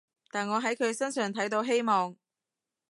但我喺佢身上睇到希望